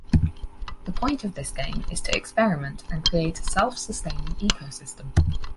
The point of this game is to experiment and create a self-sustaining ecosystem.